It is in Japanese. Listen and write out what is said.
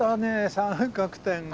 三角点が。